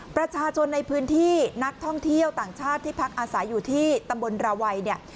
ประชาชนในพื้นที่นักท่องเที่ยวต่างชาติที่พักอาศัยอยู่ที่ตำบลราวัยเนี่ย